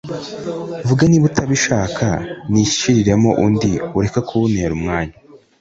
Vuga niba utabishak nishiriremo undi ureka kuntera umwanya